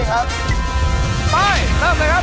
ฟ้าไปเริ่มไปครับ